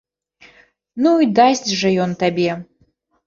Ну і дасць жа ён табе!